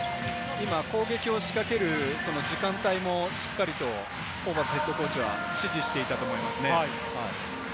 今、攻撃を仕掛ける時間帯もしっかりとホーバスＨＣは指示していたと思いますね。